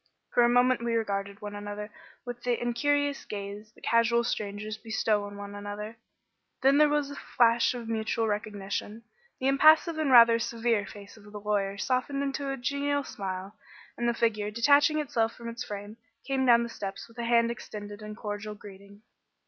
For a moment we regarded one another with the incurious gaze that casual strangers bestow on one another; then there was a flash of mutual recognition; the impassive and rather severe face of the lawyer softened into a genial smile, and the figure, detaching itself from its frame, came down the steps with a hand extended in cordial greeting.